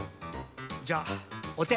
じゃおて。